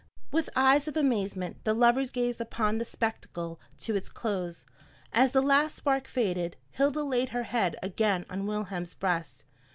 With eyes of amazement the lovers gazed upon the spectacle to its close. As the last spark faded, Hilda laid her head again on Wilhelm's breast.